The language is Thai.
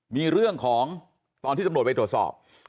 มีเรื่องของตอนที่ตำรวจไปตรวจสอบ